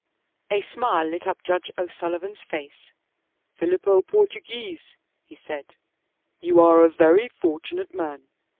A smile lit up Judge O'Sullivan's face. "Filippo Portoghese," he said, "you are a very fortunate man.